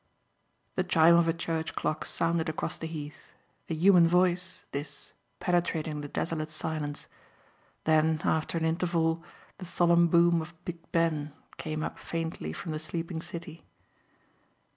The chime of a church clock sounded across the Heath, a human voice, this, penetrating the desolate silence. Then, after an interval, the solemn boom of Big Ben came up faintly from the sleeping city.